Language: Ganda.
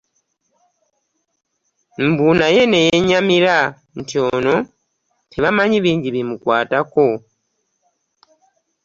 Mbu naye ne yennyamira nti ono tebamanyi bingi bimukwatako